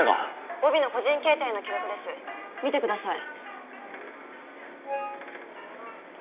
ゴビの個人携帯の記録です見てください